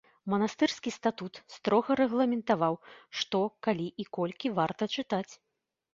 Манастырскі статут строга рэгламентаваў, што, калі і колькі варта чытаць.